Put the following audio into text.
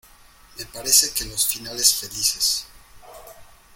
me parece que los finales felices